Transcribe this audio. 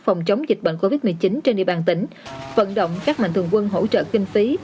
phòng chống dịch bệnh covid một mươi chín trên địa bàn tỉnh vận động các mạnh thường quân hỗ trợ kinh phí